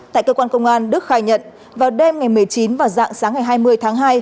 tại cơ quan công an đức khai nhận vào đêm ngày một mươi chín và dạng sáng ngày hai mươi tháng hai